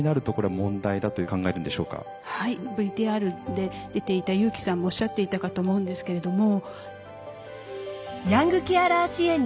ＶＴＲで出ていた優輝さんもおっしゃっていたかと思うんですけれども。